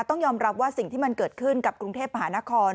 ต้องยอมรับว่าสิ่งที่มันเกิดขึ้นกับกรุงเทพมหานคร